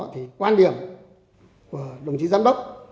thì quan điểm của đồng chí giám đốc